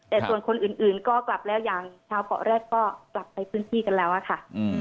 แต่ส่วนคนอื่นก็กลับแล้วอย่างชาวเกาะแรกก็กลับไปพื้นที่กันแล้วอะค่ะ